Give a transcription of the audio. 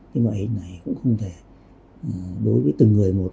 cái loại hình này cũng không thể đối với từng người một